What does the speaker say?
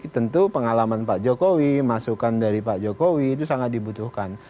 tentu pengalaman pak jokowi masukan dari pak jokowi itu sangat dibutuhkan